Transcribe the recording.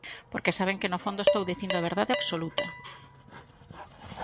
Porque saben que no fondo estou dicindo a verdade absoluta.